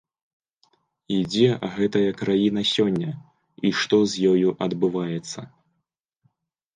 І дзе гэтая краіна сёння і што з ёю адбываецца?